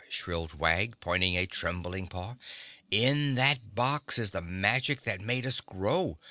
shrilled Wag, pointing a trembling paw. "In that box is the magic that made us grow.